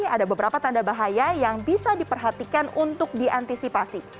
ada beberapa tanda bahaya yang bisa diperhatikan untuk diantisipasi